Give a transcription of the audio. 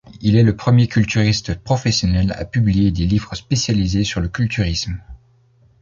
Il est le premier culturiste professionnel à publier des livres spécialisés sur le culturisme.